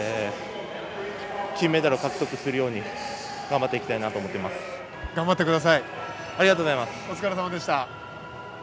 金メダルを獲得するように頑張っていきたいなと頑張ってください。